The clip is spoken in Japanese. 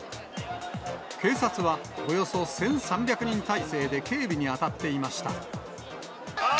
警察は、およそ１３００人態勢で警備に当たっていました。